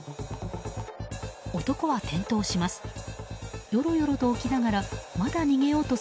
男は転倒します。